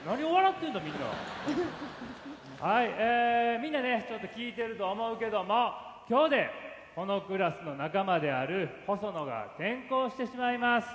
みんなねちょっと聞いてると思うけども今日でこのクラスの仲間であるホソノが転校してしまいます。